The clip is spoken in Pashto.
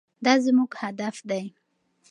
دا زموږ هدف دی.